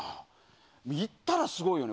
いったらすごいよね。